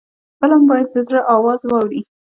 فلم باید د زړه آواز واوري